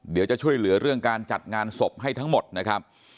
เดี๋ยวจะช่วยเหลือเรื่องการจัดงานศพให้ทั้งหมดนะครับ